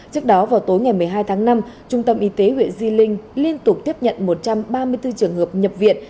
trước đó vào tối ngày một mươi hai tháng năm trung tâm y tế huyện di linh liên tục tiếp nhận một trăm ba mươi bốn trường hợp nhập viện